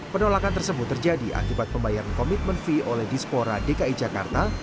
penolakan tersebut terjadi akibat pembayaran komitmen fee oleh dispora dki jakarta